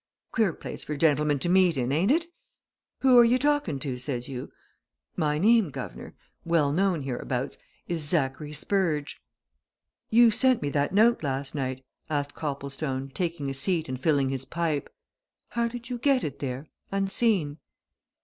Queer place for gentlemen to meet in, ain't it? Who are you talking to, says you? My name, guv' nor well known hereabouts is Zachary Spurge!" "You sent me that note last night?" asked Copplestone, taking a seat and filling his pipe. "How did you get it there unseen?"